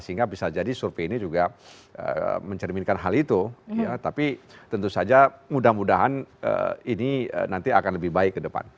sehingga bisa jadi survei ini juga mencerminkan hal itu tapi tentu saja mudah mudahan ini nanti akan lebih baik ke depan